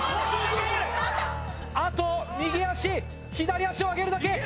あと右足左足を上げるだけ。